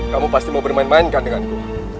kamu pasti mau bermain mainkan denganku